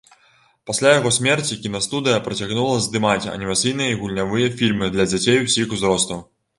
Пасля яго смерці кінастудыя працягнула здымаць анімацыйныя і гульнявыя фільмы для дзяцей усіх узростаў.